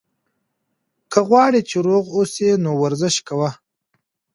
که غواړې چې روغ اوسې، نو ورزش کوه.